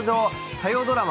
火曜ドラマ